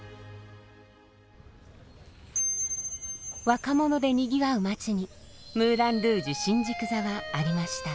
若者でにぎわう街にムーラン・ルージュ新宿座はありました。